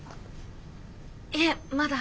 いえまだ。